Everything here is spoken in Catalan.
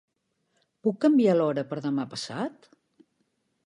Puc canviar l'hora per demà passat?